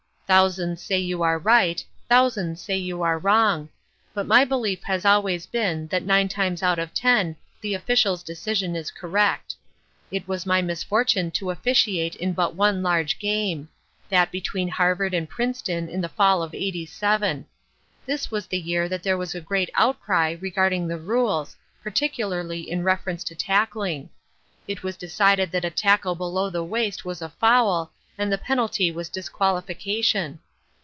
Thousands say you are right, thousands say you are wrong but my belief has always been that nine times out of ten the official's decision is correct. It was my misfortune to officiate in but one large game; that between Harvard and Princeton in the fall of '87. This was the year that there was a great outcry regarding the rules, particularly in reference to tackling. It was decided that a tackle below the waist was a foul and the penalty was disqualification.